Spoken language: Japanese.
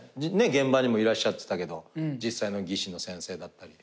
現場にもいらっしゃってたけど実際の技師の先生だったり。